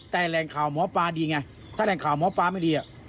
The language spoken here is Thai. แต่แหล่งข่าวหมอปลาดีไงถ้าแหล่งข่าวหมอปลาไม่ดี